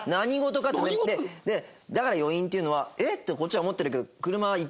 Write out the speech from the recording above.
だから余韻っていうのは「え！？」ってこっちは思ってるけど。